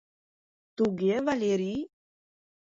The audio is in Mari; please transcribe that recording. Туге, Валерий?